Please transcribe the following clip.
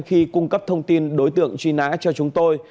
khi cung cấp thông tin đối tượng truy nã cho chúng tôi